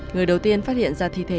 người đầu tiên phát hiện ra thi thể